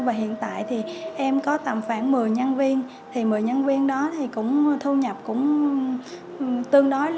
và hiện tại thì em có tầm khoảng một mươi nhân viên thì một mươi nhân viên đó thì cũng thu nhập cũng tương đối là